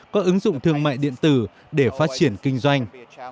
có ứng dụng thương mại điện tử để phát triển kinh doanh